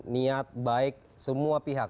niat baik semua pihak